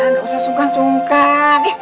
nggak usah sungkan sungkan